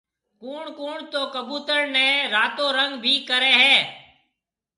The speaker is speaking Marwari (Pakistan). ڪوُڻ ڪوُڻ تو ڪٻُوتر نَي راتو رنگ ڀِي ڪريَ هيَ۔